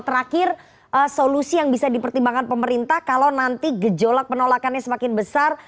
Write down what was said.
terakhir solusi yang bisa dipertimbangkan pemerintah kalau nanti gejolak penolakannya semakin besar